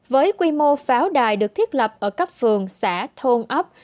với quy mô pháo đài được thiết lập ở các vườn xã thôn ốc